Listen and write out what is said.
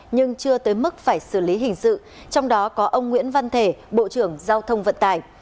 nhưng chưa tới mức phải xử lý hình sự trong đó có ông nguyễn văn thể bộ trưởng giao thông vận tải